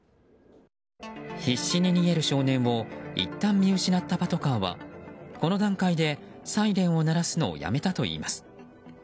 必死に逃げる少年をいったん見失ったパトカーはこの段階で、サイレンを鳴らすのをやめたといいます。